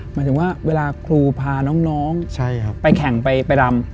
หมายถึงว่าเวลาครูพาน้องไปแข่งไปรำ